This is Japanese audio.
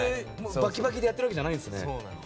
バキバキでやってるわけじゃないんですね。